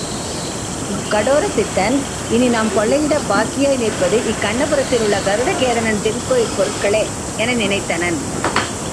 கடோர சித்தன் இனி நாம் கொள்ளையிடப் பாக்கியாய் நிற்பது இக் கண்ணபுரத்திலுள்ள கருடகேதனன் திருக்கோயிற்பொருள்களே என நினைத்தனன்.